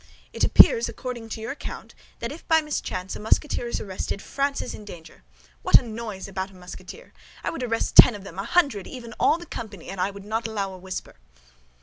It appears, according to your account, that if by mischance a Musketeer is arrested, France is in danger. What a noise about a Musketeer! I would arrest ten of them, ventrebleu, a hundred, even, all the company, and I would not allow a whisper."